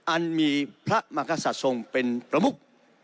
อันมีพระมหากษัตริย์ทรงเป็นประมุก